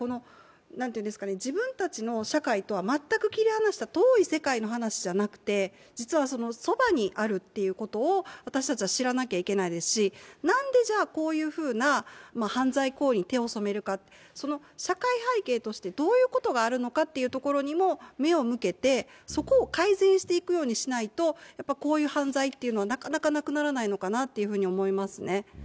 自分たちの社会とは全く切り離した遠い世界じゃなくて実はそばにあるということを私たちは知らなきゃいけないですしなんでこういう犯罪行為に手を染めるか、社会背景としてどういうことがあるのかというところにも目を向けて、そこを改善していくようにしないとこういう犯罪というのはなかなかなくならないのかなというふうに思います。